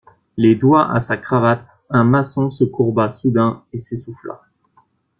Les doigts à sa cravate, un maçon se courba soudain et s'essouffla.